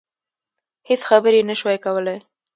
هېڅ خبرې يې نشوای کولای.